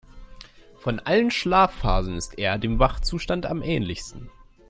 Von allen Schlafphasen ist er dem Wachzustand am ähnlichsten.